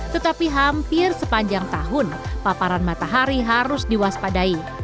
tetapi hampir sepanjang tahun paparan matahari harus diwaspadai